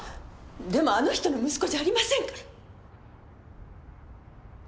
でもあの人の息子じゃありませんから！